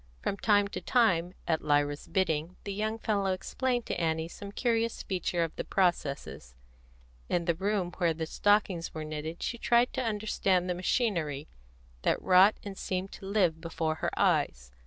From time to time, at Lyra's bidding, the young fellow explained to Annie some curious feature of the processes; in the room where the stockings were knitted she tried to understand the machinery that wrought and seemed to live before her eyes.